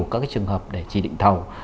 rất nhiều các trường hợp để trì định thầu